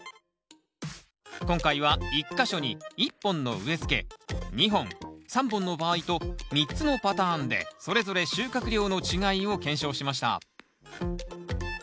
今回は１か所に１本の植えつけ２本３本の場合と３つのパターンでそれぞれ収穫量の違いを検証しました。